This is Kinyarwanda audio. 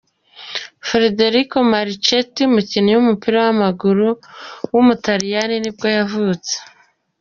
Federico Marchetti, umukinnyi w’umupira w’amaguru w’umutaliyani ni bwo yavutse.